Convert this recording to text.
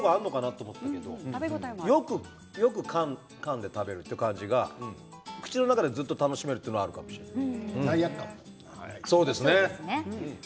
揚げてる方があるのかなと思ったんですけどよくかんで食べるという感じが口の中で、ずっと楽しめるというのがあるかもしれない。